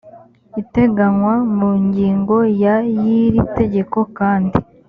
iteganywa mu ngingo ya y iri tegeko kandi